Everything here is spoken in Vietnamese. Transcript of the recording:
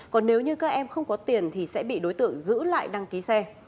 còn nếu như các em không có tiền thì sẽ bị đối tượng giữ lại đăng ký xe